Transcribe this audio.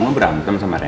kamu berantem sama randy